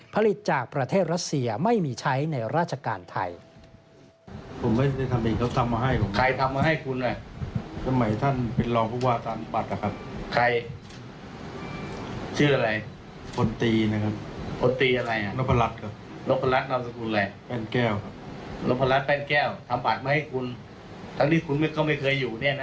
ผลิตจากประเทศรัสเซียไม่มีใช้ในราชการไทย